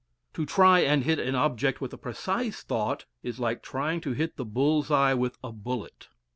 To try and hit an object with a precise thought is like trying to hit the bull's eye with a bullet.